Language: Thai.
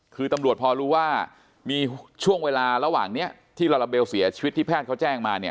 คือตำรวจพอรู้ว่ามีช่วงเวลาระหว่างนี้ที่ลาลาเบลเสียชีวิตที่แพทย์เขาแจ้งมาเนี่ย